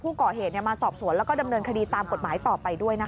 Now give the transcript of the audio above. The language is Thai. ผู้ก่อเหตุมาสอบสวนแล้วก็ดำเนินคดีตามกฎหมายต่อไปด้วยนะคะ